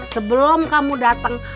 sebelum kamu datang